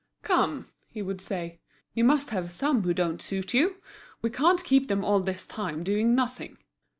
"Come," he would say, "you must have some who don't suit you. We can't keep them all this time doing nothing."